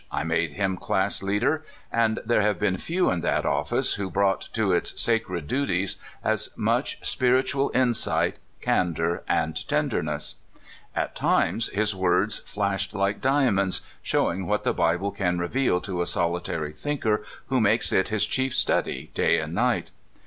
I made him class leader, and there have been few in that oflice who 252 CALIFORNIA SKETCHES. brought to its sacred duties as much spiritual in sight, candor, and tenderness. At times his words flashed hke diamonds, showing what the Bible can reveal to a solitary thinker who makes it his chief study day and night.